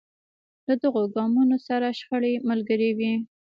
له دغو ګامونو سره شخړې ملګرې وې.